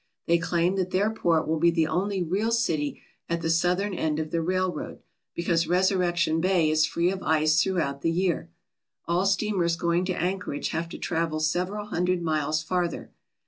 They claim that their port will be the only real city at the southern end of the railroad, because Resurrection Bay is free of ice throughout the year. All steamers going to Anchorage have to travel several hundred miles farther.